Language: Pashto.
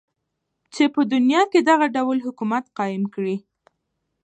چی په دنیا کی دغه ډول حکومت قایم کړی.